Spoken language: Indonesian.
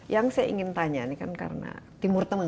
yang saya ingin tanya ini kan karena timur tengah ya